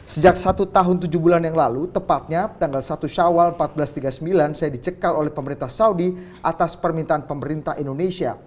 sejak satu tahun tujuh bulan yang lalu tepatnya tanggal satu syawal seribu empat ratus tiga puluh sembilan saya dicekal oleh pemerintah saudi atas permintaan pemerintah indonesia